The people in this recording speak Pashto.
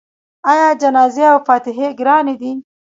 آیا جنازې او فاتحې ګرانې دي؟